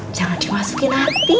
jangan dimasukin hati